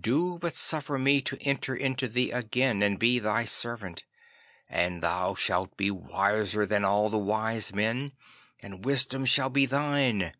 Do but suffer me to enter into thee again and be thy servant, and thou shalt be wiser than all the wise men, and Wisdom shall be thine.